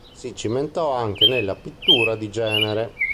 Si cimentò anche nella pittura di genere.